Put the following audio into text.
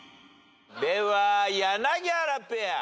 では柳原ペア。